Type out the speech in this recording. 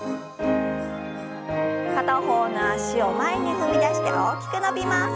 片方の脚を前に踏み出して大きく伸びます。